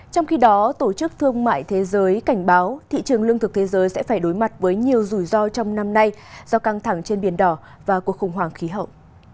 trong khi đó tổ chức thương mại thế giới cảnh báo thị trường lương thực thế giới sẽ phải đối mặt với nhiều rủi ro trong năm nay do căng thẳng trên biển đỏ và cuộc khủng hoảng khí hậu